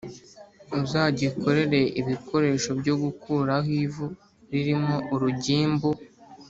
Uzagikorere ibikoresho byo gukuraho ivu ririmo urugimbu